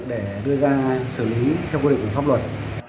để đưa ra xử lý theo quy định của pháp luật